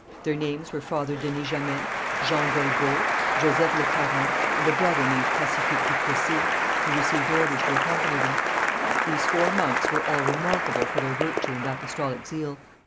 Their names were Father Denis Jamet, Jean d'Olbeau, Joseph Le Caron, and a brother named Pacifique du Plessis, who received orders to accompany them. These four monks were all remarkable for their virtue and apostolic zeal.